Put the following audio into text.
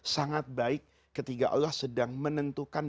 sangat baik ketika allah sedang menentukan